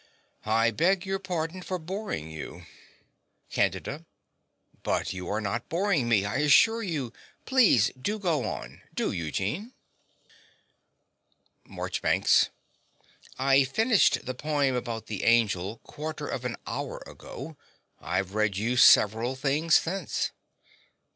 I beg your pardon for boring you. CANDIDA. But you are not boring me, I assure you. Please go on. Do, Eugene. MARCHBANKS. I finished the poem about the angel quarter of an hour ago. I've read you several things since.